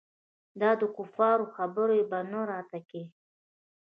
دا دکفارو خبرې به نه راته کيې.